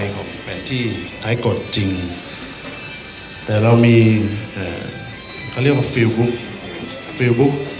ของแผนที่ไทยกฎจริงแต่เรามีเอ่อเขาเรียกว่า